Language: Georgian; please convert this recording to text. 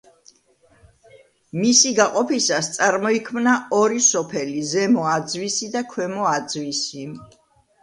მისი გაყოფისას წარმოიქმნა ორი სოფელი ზემო აძვისი და ქვემო აძვისი.